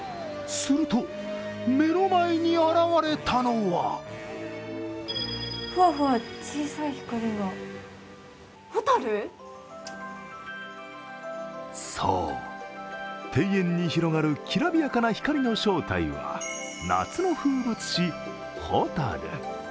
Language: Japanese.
すると、目の前に現れたのはそう、庭園に広がるきらびやかな光の正体は、夏の風物詩ほたる。